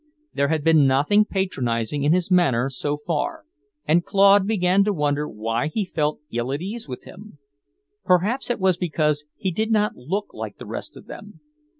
There had been nothing patronizing in his manner so far, and Claude began to wonder why he felt ill at ease with him. Perhaps it was because he did not look like the rest of them.